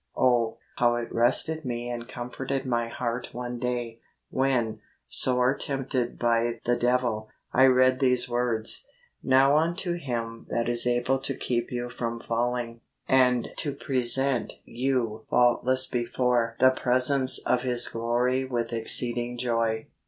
Oh, how it rested me and comforted my heart one day, when, sore tempted by the Devil, I read these words, ' Now unto Him that is able to keep you from falling, and to present you faultless before the presence of His glory with exceeding joy.